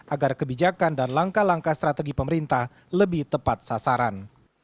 agar kebijakan dan langkah langkah strategi pemerintah lebih tepat sasaran